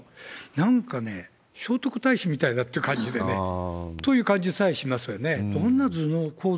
なんかね、聖徳太子みたいだっていう感じでね、という感じさえしますよね。